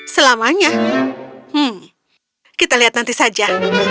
selamanya kita lihat nanti saja